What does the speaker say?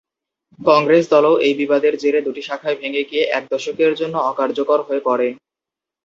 কংগ্রেস দলও এই বিবাদের জেরে দুটি শাখায় ভেঙে গিয়ে এক দশকের জন্য অকার্যকর হয়ে পড়ে।